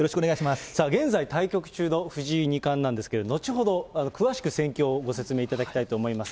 さあ、現在、対局中の藤井二冠なんですけど、後ほど詳しく戦況をご説明いただきたいと思います。